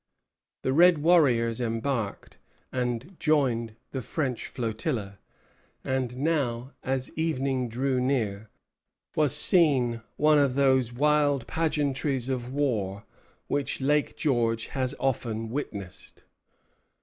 The red warriors embarked, and joined the French flotilla; and now, as evening drew near, was seen one of those wild pageantries of war which Lake George has often witnessed.